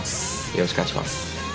よろしくお願いします。